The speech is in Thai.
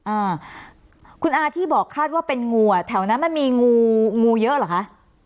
อ่าคุณอาที่บอกคาดว่าเป็นงูอ่ะแถวนั้นมันมีงูงูเยอะเหรอคะ